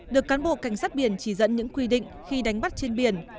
được cán bộ cảnh sát biển chỉ dẫn những quy định khi đánh bắt trên biển